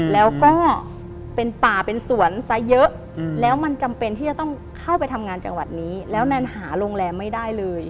แล้วก็เป็นป่าเป็นสวนซะเยอะแล้วมันจำเป็นที่จะต้องเข้าไปทำงานจังหวัดนี้แล้วแนนหาโรงแรมไม่ได้เลย